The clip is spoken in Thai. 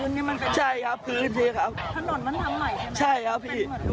ถนนมันทำใหม่ใช่ไหมครับเป็นเหมือนลูกรังมั้ยครับใช่ครับ